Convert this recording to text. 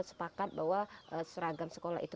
sepakat bahwa seragam sekolah itu